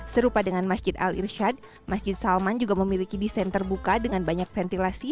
serupa dengan masjid al irshad masjid salman juga memiliki desain terbuka dengan banyak ventilasi